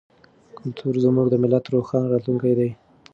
کلتور زموږ د ملت روښانه راتلونکی دی.